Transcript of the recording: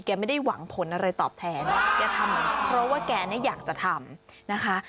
ไม่ได้หวังผลอะไรตอบแทนแกทำเพราะว่าแกเนี่ยอยากจะทำนะคะ